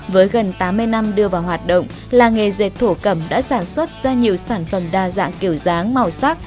với gần tám mươi năm đưa vào hoạt động làng nghề dệt thổ cẩm đã sản xuất ra nhiều sản phẩm đa dạng kiểu dáng màu sắc